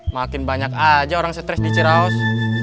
makin banyak aja orang stres di jeraus